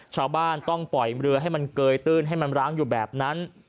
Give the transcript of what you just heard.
ชาวบ้านต้องปล่อยเรือให้มันเกยตื้นให้มันร้างอยู่แบบนั้น